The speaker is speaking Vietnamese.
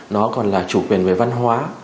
nó còn là chủ quyền về văn hóa